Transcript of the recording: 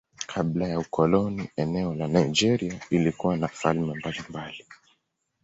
Kabla ya ukoloni eneo la Nigeria lilikuwa na falme mbalimbali.